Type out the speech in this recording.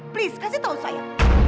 please kasih tahu saya